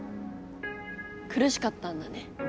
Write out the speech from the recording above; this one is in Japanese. くるしかったんだね。